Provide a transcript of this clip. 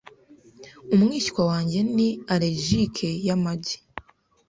Umwishywa wanjye ni allergique yamagi .